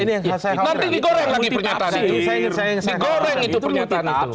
ini yang nanti digoreng lagi pernyataan itu